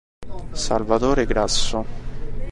Salvatore Grasso.